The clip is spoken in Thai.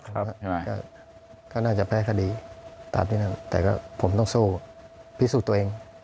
ครับก็น่าจะแพ้คดีแต่ก็ผมต้องสู้พิสูจน์ตัวเอง